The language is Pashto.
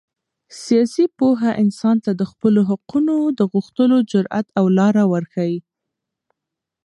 سیاسي پوهه انسان ته د خپلو حقونو د غوښتلو جرات او لاره ورښیي.